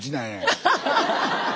アハハハハ！